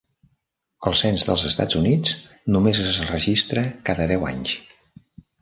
El cens dels Estats Units només es registra cada deu anys.